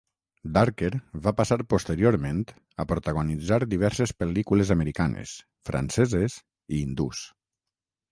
Dharker va passar posteriorment a protagonitzar diverses pel·lícules americanes, franceses i hindús.